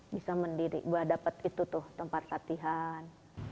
bisa mendirik buat dapet itu tuh tempat latihan